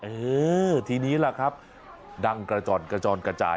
เออทีนี้ล่ะครับดังกระจ่อนกระจอนกระจาย